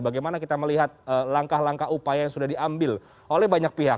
bagaimana kita melihat langkah langkah upaya yang sudah diambil oleh banyak pihak